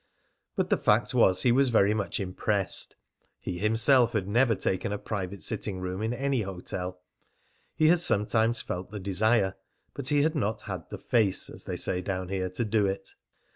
But the fact was that he was much impressed. He himself had never taken a private sitting room in any hotel. He had sometimes felt the desire, but he had not had the "face," as they say down there, to do it.